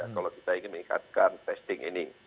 kalau kita ingin meningkatkan testing ini